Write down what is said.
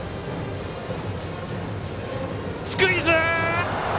スクイズ！